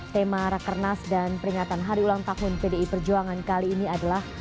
tema rakernas dan peringatan hari ulang tahun pdi perjuangan kali ini adalah